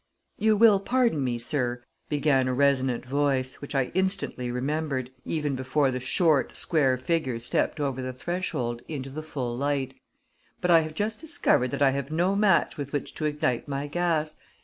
"You will pardon me, sir," began a resonant voice, which I instantly remembered, even before the short, square figure stepped over the threshold into the full light, "but I have just discovered that I have no match with which to ignite my gas.